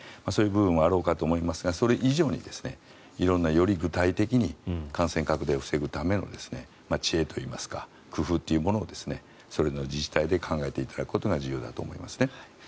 そういう部分はあろうかと思いますがそれ以上に、より具体的に感染拡大を防ぐための知恵といいますか工夫というものをそれぞれの自治体で考えていただくことが重要だと思いますね。